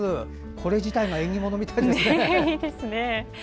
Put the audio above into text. これ自体が縁起物みたいですね。